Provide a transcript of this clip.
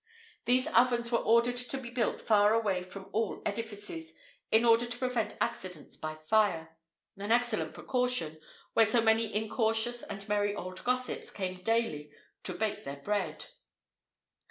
[IV 45] These ovens were ordered to be built far away from all edifices, in order to prevent accidents by fire;[IV 46] an excellent precaution, where so many incautious and merry old gossips came daily to bake their bread.